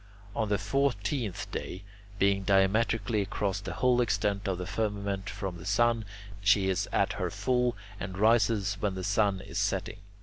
On the fourteenth day, being diametrically across the whole extent of the firmament from the sun, she is at her full and rises when the sun is setting.